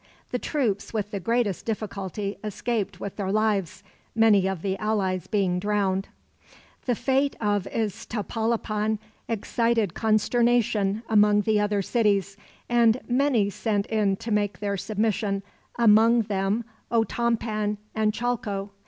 The troops with the greatest difficulty escaped with their lives, many of the allies being drowned. The fate of Iztapalapan excited consternation among the other cities, and many sent in to make their submission, among them Otompan and Chalco.